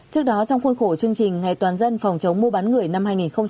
trước đó trong khuôn khổ chương trình ngày toàn dân phòng chống mua bán người năm hai nghìn một mươi chín